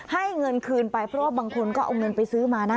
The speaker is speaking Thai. ให้เงินคืนไปเพราะว่าบางคนก็เอาเงินไปซื้อมานะ